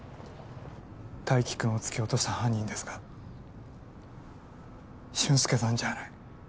泰生君を突き落とした犯人ですが俊介さんじゃない。